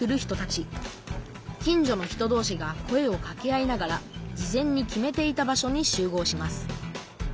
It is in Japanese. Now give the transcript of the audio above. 近所の人どうしが声をかけ合いながら事前に決めていた場所に集合します。